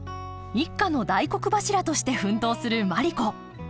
一家の大黒柱として奮闘するマリ子。